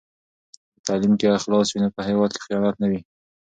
که په تعلیم کې اخلاص وي نو په هېواد کې خیانت نه وي.